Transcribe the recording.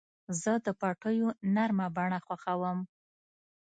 زه د پټیو نرمه بڼه خوښوم.